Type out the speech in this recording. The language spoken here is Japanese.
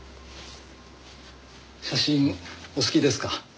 写真お好きですか？